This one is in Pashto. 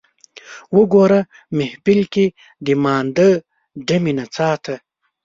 وګوره محفل کې د مانده ډمې نڅا ته